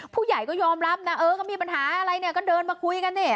ผู้ใหญ่ก็ยอมรับนะเออก็มีปัญหาอะไรเนี่ยก็เดินมาคุยกันดิ